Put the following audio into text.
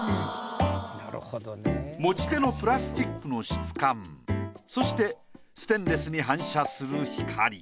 持ち手のプラスチックの質感そしてステンレスに反射する光。